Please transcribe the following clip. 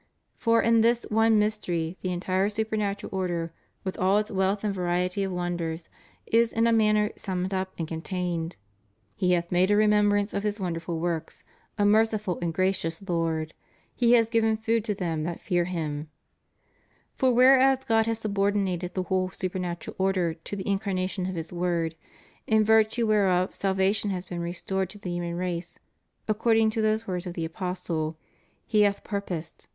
For in this one mystery the entire supernatural order, with all its wealth and variety of wonders, is in a manner summed up and contained: He hath made a remembrance of His wonderful works, a merciful and gracious Lord; He hath given food to them that fear Him} For whereas God has subordinated the whole supernatural order to the Incar nation of His Word, in virtue whereof salvation has been restored to the human race, according to those words of the Apostle: He hath purposed